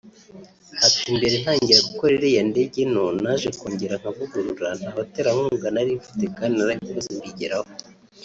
Ati “Mbere ntangira gukora iriya ndege nto naje kongera nkavugurura nta baterankunga nari mfite kandi narayikoze mbigeraho